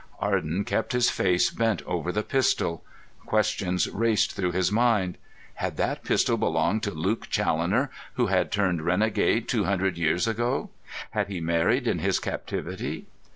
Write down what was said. Arden kept his face bent over the pistol. Questions raced through his mind. Had that pistol belonged to Luke Challoner, who had turned renegade two hundred years ago? Had he married in his captivity?